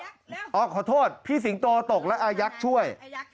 ขอโทษนี่พี่สิงตัวตกแล้วอ่ะยักษ์ช่วย